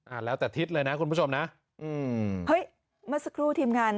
แล้วแต่ทิศเลยนะคุณผู้ชมนะอืมเฮ้ยเมื่อสักครู่ทีมงาน